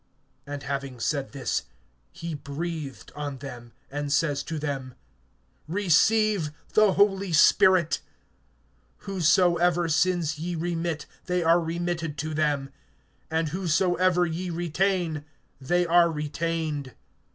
(22)And having said this, he breathed on them, and says to them: Receive the Holy Spirit. (23)Whosesoever sins ye remit, they are remitted to them; and whosesoever ye retain, they are retained.